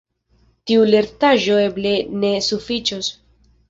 Tiu lertaĵo eble ne sufiĉos.